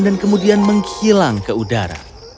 dan kemudian menghilang ke udara